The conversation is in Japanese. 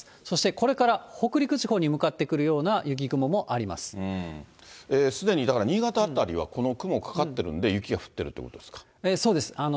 そしてこれから北陸地方に向かっすでにだから新潟辺りは、この雲、かかってるんで、雪が降ってるということですか。